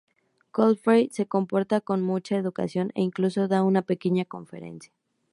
Godfrey se comporta con mucha educación, e incluso da una pequeña conferencia.